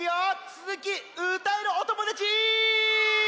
つづき歌えるおともだち！